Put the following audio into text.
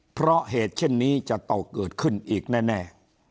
เพราะเหตุเช่นนี้จะต้องเกิดขึ้นอีกแน่